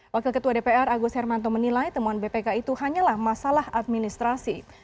wakil ketua dpr agus hermanto menilai temuan bpk itu hanyalah masalah administrasi